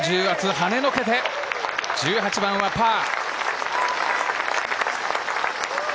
跳ねのけて１８番はパー。